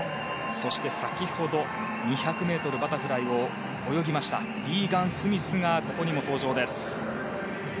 そして先ほど２００ｍバタフライを泳ぎましたリーガン・スミスがここにも登場です。